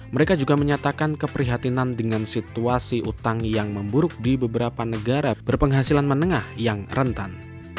mereka juga menyatakan keprihatinan dengan situasi utang yang memburuk di beberapa negara berpenghasilan menengah yang rentan